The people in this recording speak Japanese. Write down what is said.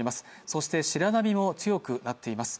そして、白波も強くなっています。